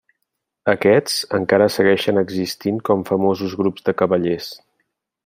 Aquests encara segueixen existint com famosos grups de cavallers.